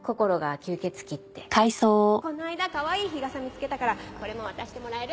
この間かわいい日傘見つけたからこれも渡してもらえる？